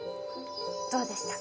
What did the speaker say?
どうでしたか